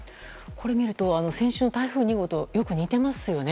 これを見ると先週の台風２号とよく似ていますよね。